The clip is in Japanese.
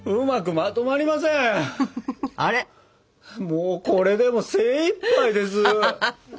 もうこれでも精いっぱいです。